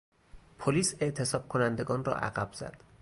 پلیس اعتصاب کنندگان را عقب زد.